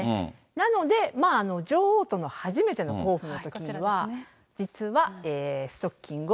なので、女王との初めての公務のときには、実は、ストッキングを。